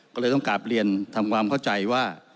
ก็เลยต้องกลับเรียนทำความเข้าใจว่า